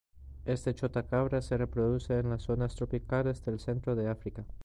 Este chotacabras se reproduce en las zonas tropicales del centro de África.